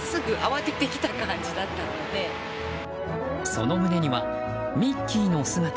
その胸にはミッキーの姿。